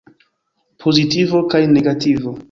Pozitivo kaj negativo.